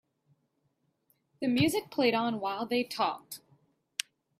The music played on while they talked.